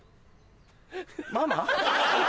ママ？